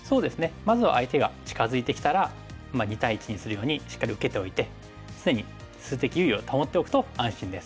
まずは相手が近づいてきたら２対１にするようにしっかり受けておいて常に数的優位を保っておくと安心です。